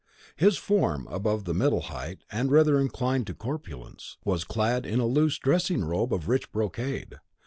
His form, above the middle height, and rather inclined to corpulence, was clad in a loose dressing robe of rich brocade.